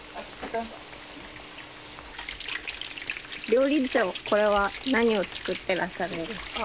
料理長これは何を作ってらっしゃるんですか？